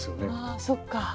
ああそっかぁ。